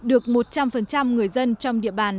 được một trăm linh người dân trong địa bàn